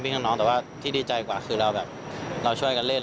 กับที่ดีใจกว่าคือเราช่วยกันเล่น